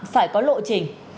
phải có lộ trình